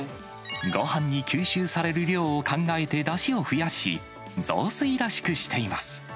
ごはんに吸収される量を考えてだしを増やし、雑炊らしくしています。